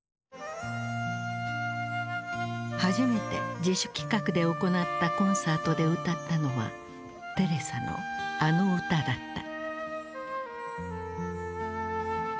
初めて自主企画で行ったコンサートで歌ったのはテレサのあの歌だった。